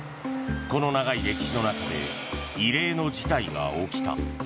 この長い歴史の中で異例の事態が起きた。